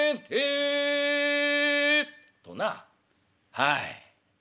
「はい。